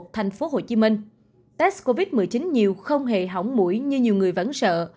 thành phố hồ chí minh tết covid một mươi chín nhiều không hề hỏng mũi như nhiều người vẫn sợ